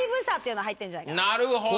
なるほど。